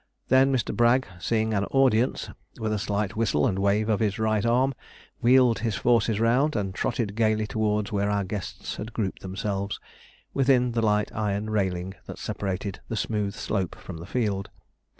Then Mr. Bragg, seeing an audience, with a slight whistle and wave of his right arm, wheeled his forces round, and trotted gaily towards where our guests had grouped themselves, within the light iron railing that separated the smooth slope from the field.